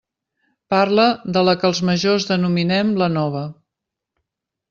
Parle de la que els majors denominem la Nova.